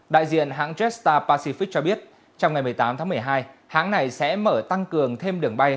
đại diện hãng jetstar pacific cho biết trong ngày một mươi tám tháng một mươi hai hãng này sẽ mở tăng cường thêm đường bay